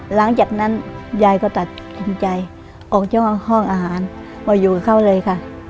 หลังจากนั้นยายก็ตัดสินใจออกจากห้องอาหารมาอยู่กับเขาเลยค่ะ